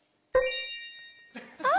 あっ。